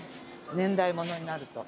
年代物になると。